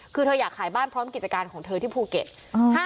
คือเธออยากขายบ้านพร้อมกิจการของเธอที่ภูเก็ต